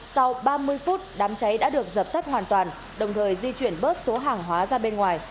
sau ba mươi phút đám cháy đã được dập tắt hoàn toàn đồng thời di chuyển bớt số hàng hóa ra bên ngoài